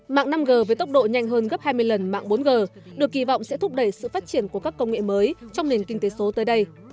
mạng năm g với tốc độ nhanh hơn gấp hai mươi lần mạng bốn g được kỳ vọng sẽ thúc đẩy sự phát triển của các công nghệ mới trong nền kinh tế số tới đây